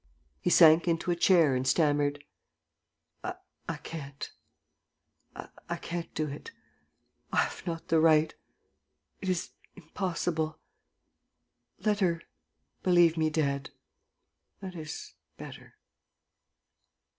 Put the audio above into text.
He sank into a chair and stammered: "I can't. ... I can't do it. ... I have not the right. ... It is impossible. ... Let her believe me dead. ... That is better.